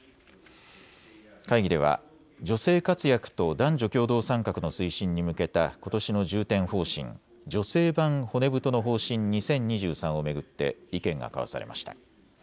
会議では女性活躍と男女共同参画の推進に向けたことしの重点方針、女性版骨太の方針２０２３を巡って意見が交わされました。